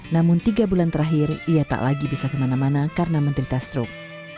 namun tiga bulan terakhir ia tak lagi bisa kemana mana karena menderita strok